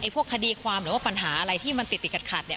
พวกคดีความหรือว่าปัญหาอะไรที่มันติดขัดเนี่ย